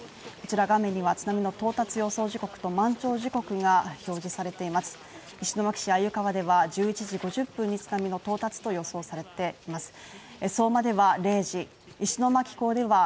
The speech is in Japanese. こちら画面には津波の到達予想時刻と満潮時刻が表示されています石巻市鮎川では１１時５０分に津波の到達と予想されています